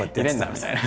みたいな。